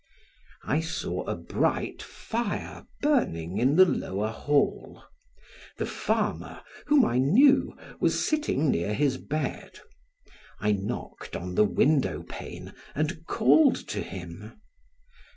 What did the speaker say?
I saw a bright fire burning in the lower hall; the farmer, whom I knew, was sitting near his bed; I knocked on the window pane and called to him.